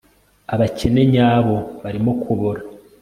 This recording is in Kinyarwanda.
Abakene nyabo barimo kubora